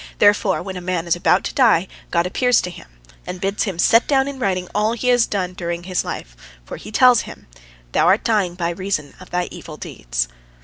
Therefore, when a man is about to die, God appears to him, and bids him set down in writing all he has done during his life, for, He tells him, "Thou art dying by reason of thy evil deeds."